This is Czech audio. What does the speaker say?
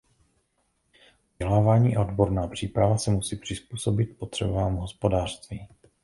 Vzdělávání a odborná příprava se musí přizpůsobit potřebám hospodářství.